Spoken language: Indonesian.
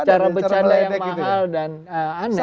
cara bercanda yang mahal dan aneh